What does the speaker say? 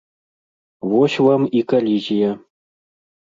Вось вам і калізія.